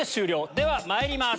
ではまいります！